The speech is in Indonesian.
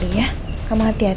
tidak mau pulang dulu ya